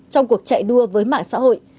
trong cuộc chạy đua với mạng xã hội